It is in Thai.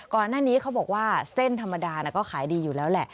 ก่อนหน้านี้เขาบอกว่าเส้นธรรมดาก็ขายดีอยู่แล้วแหละ